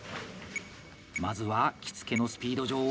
まずは「着付のスピード女王」